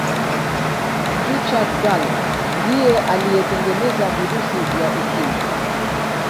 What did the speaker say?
richard gallo ndiye aliyetengeneza virusi vya ukimwi